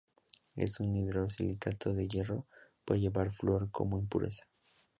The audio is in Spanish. Es un hidroxi-silicato de hierro —puede llevar flúor como impureza—.